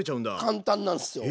簡単なんすよ。